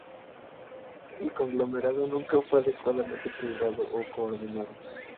El conglomerado nunca fue adecuadamente equilibrado o coordinado.